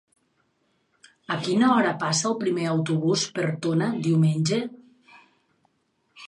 A quina hora passa el primer autobús per Tona diumenge?